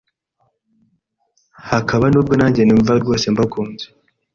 hakaba n’ubwo nanjye numva rwose mbakunze,